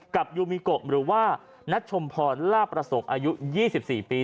ยูมิโกะหรือว่านัทชมพรล่าประสงค์อายุ๒๔ปี